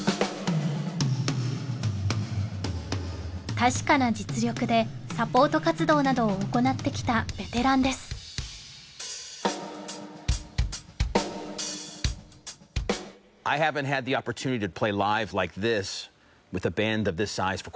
確かな実力でサポート活動などを行ってきたベテランですあーーー！